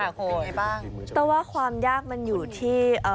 ว่าแม่ดีในบ้างค่ะแต่ว่าความยากมันอยู่ที่